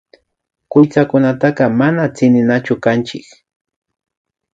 Kuytsakunataka mana tsininachu kanchik